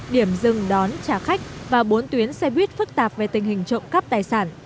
điểm dừng đón trả khách và bốn tuyến xe buýt phức tạp về tình hình trộm cắp tài sản